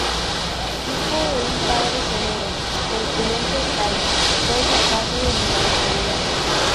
Hijo de un padre severo, corpulento y calvo, fue educado en la austeridad.